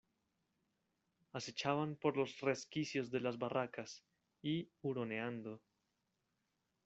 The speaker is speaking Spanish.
acechaban por los resquicios de las barracas, y , huroneando